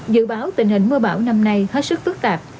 dự báo tình hình mưa bão năm nay hết sức phức tạp